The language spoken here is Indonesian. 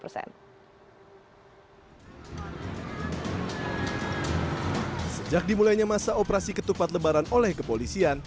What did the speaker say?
sejak dimulainya masa operasi ketupat lebaran oleh kepolisian